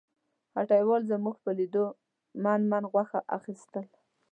هټیوال زموږ په لیدو من من غوښه اخیستل.